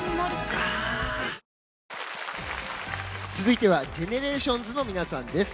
あー続いてはＧＥＮＥＲＡＴＩＯＮＳの皆さんです。